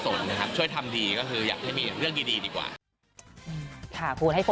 ตอนนี้เขาเหมือนดราม่ามาก